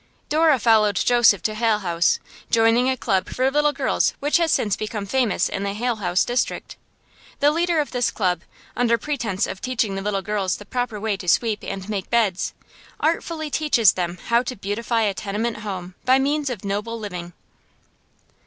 Dora followed Joseph to Hale House, joining a club for little girls which has since become famous in the Hale House district. The leader of this club, under pretence of teaching the little girls the proper way to sweep and make beds, artfully teaches them how to beautify a tenement home by means of noble living.